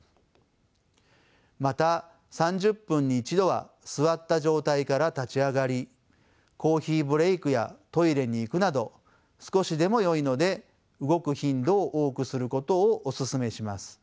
また３０分に１度は座った状態から立ち上がりコーヒーブレークやトイレに行くなど少しでもよいので動く頻度を多くすることをお勧めします。